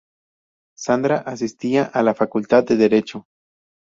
Sandra asistía a la facultad de derecho.